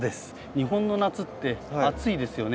日本の夏って暑いですよね。